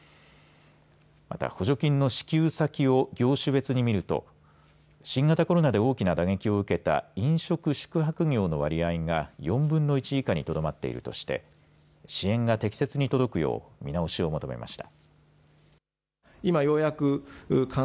また、補助金の支給先を業種別にみると新型コロナで大きな打撃を受けた飲食、宿泊業の割合が４分の１以下にとどまっているとして支援が適切に届くよう見直しを求めました。